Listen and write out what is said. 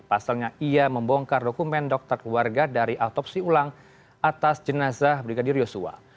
pasalnya ia membongkar dokumen dokter keluarga dari autopsi ulang atas jenazah brigadir yosua